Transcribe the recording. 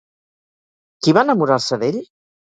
Qui va enamorar-se d'ell?